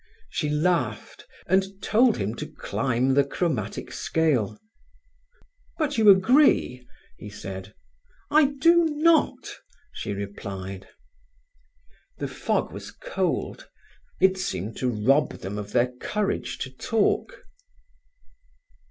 She laughed, and told him to climb the chromatic scale. "But you agree?" he said. "I do not," she replied. The fog was cold. It seemed to rob them of their courage to talk.